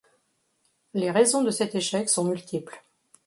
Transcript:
Les raisons de cet échec sont multiples.